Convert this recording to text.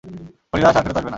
হরিদাস আর ফেরত আসবে না।